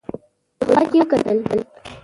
په دوحه کې وکتل.